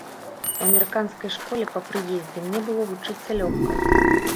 У амерыканскай школе па прыездзе мне было вучыцца лёгка.